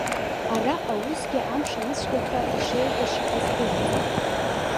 Араҟа, усгьы, амш аныцәгьаха, ишеилгаша аздырӡом.